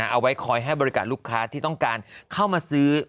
เอาไว้คอยให้บริการลูกค้าที่ต้องการเข้ามาซื้อ